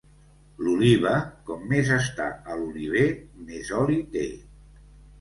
L'oliva, com més està a l'oliver, més oli té.